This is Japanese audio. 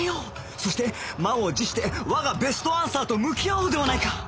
そして満を持して我がベストアンサーと向き合おうではないか！